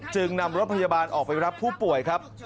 จึงนำรถพยาบาลออกไปรับผู้ป่วยครับ